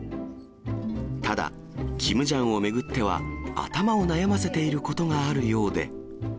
ただ、キムジャンを巡っては、頭を悩ませていることがあるようで。